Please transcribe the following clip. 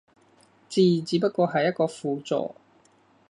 字只不過係一個輔助